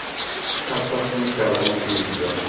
Aṭas n ukermus i yellan.